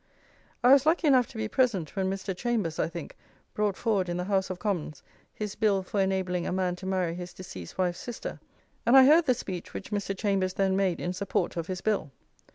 I was lucky enough to be present when Mr. Chambers, I think, brought forward in the House of Commons his bill for enabling a man to marry his deceased wife's sister, and I heard the speech which Mr. Chambers then made in support of his bill.